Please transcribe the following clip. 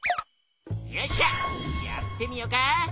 よっしゃやってみよか！